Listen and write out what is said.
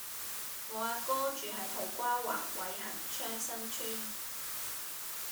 我阿哥住喺土瓜灣偉恆昌新邨